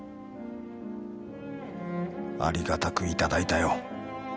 ありがたくいただいたよ。